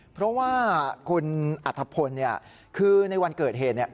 เพราะว่าคุณอัธพลเนี่ยคือในวันเกิดเหตุเนี่ย